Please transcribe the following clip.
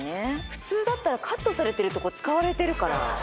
普通だったらカットされてるとこ使われてるから。